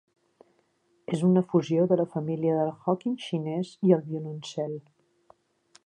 És una fusió de la família del huqin xinès i el violoncel.